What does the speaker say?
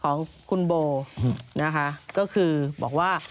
ของคุณโบนะคะก็คือบอกว่า